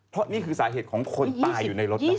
เพราะนี่คือสาเหตุของคนตายอยู่ในรถนั้น